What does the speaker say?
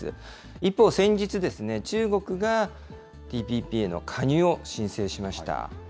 一方、先日、中国がＴＰＰへの加入を申請しました。